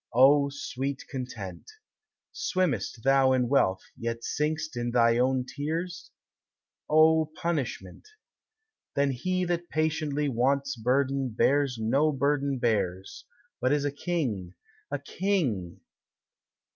O sweet content! Swimm'st thou in wealth, yet sink'st in thine own tears? O punishment! Then he that patiently want's burden bears No burden bears, but is a king, a king!